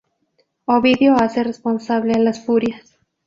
Ovidio hace responsable a la Furias.